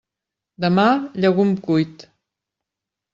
Demà, llegum cuit.